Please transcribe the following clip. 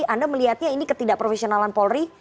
anda melihatnya ini ketidakprofesionalan polri